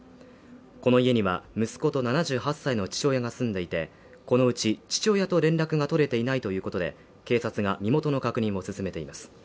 この家には息子と７８歳の父親が住んでいて、このうち、父親と連絡が取れていないということで、警察が身元の確認を進めています。